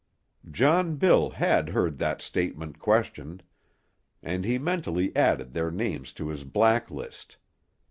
John Bill had heard that statement questioned, and he mentally added their names to his black list.